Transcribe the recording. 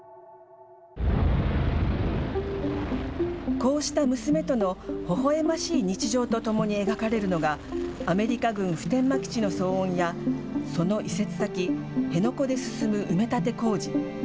こうした娘とのほほえましい日常とともに描かれるのが、アメリカ軍普天間基地の騒音や、その移設先、辺野古で進む埋め立て工事。